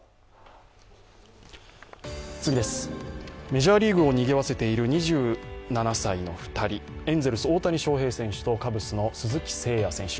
メジャーリーグをにぎわせている２７歳の２人エンゼルス・大谷翔平選手とカブスの鈴木誠也選手。